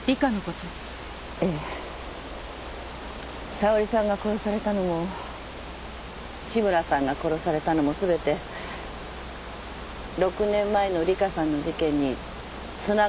沙織さんが殺されたのも志村さんが殺されたのも全て６年前の里香さんの事件につながってるって分かったんです。